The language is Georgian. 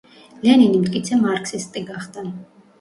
ლენინი მტკიცე მარქსისტი გახდა.